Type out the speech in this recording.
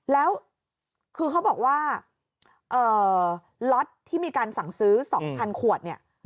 แล้วคือเขาบอกว่าล็อตที่มีการสั่งซื้อ๒๐๐ขวดเนี่ย